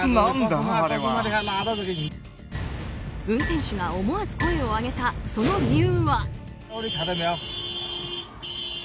運転手が思わず声を上げたその理由は？